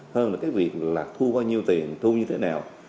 hơn là cái việc là thu bao nhiêu tiền thu như thế nào